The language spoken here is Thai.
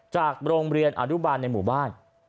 จากโรงเรียนอนุบาลในหมู่บ้าน